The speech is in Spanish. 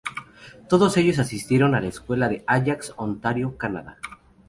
Todos ellos asistieron a la escuela en Ajax, Ontario, Canadá.